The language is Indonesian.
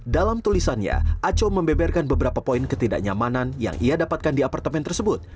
dalam tulisannya aco membeberkan beberapa poin ketidaknyamanan yang ia dapatkan di apartemen tersebut